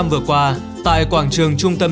vừa qua tại quảng trường trung tâm